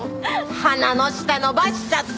鼻の下伸ばしちゃって！